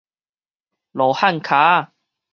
羅漢跤仔